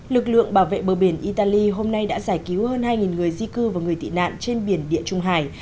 lực lượng bảo vệ bờ biển italy hôm nay đã giải cứu hơn hai người di cư và người tị nạn trên biển địa trung hải